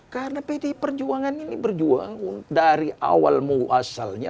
karena pdi perjuangan ini berjuang dari awal muasalnya